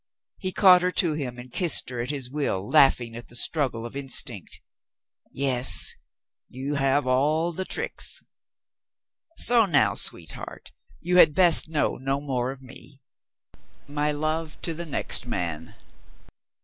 He caught her to him and kissed her at his will, laughing at the struggle of instinct. "Yes, you have all the tricks. So now, sweetheart, you had best know no more of me. My love to the next man."